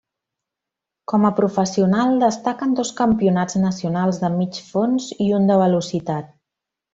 Com a professional destaquen dos campionats nacionals de mig fons i un de velocitat.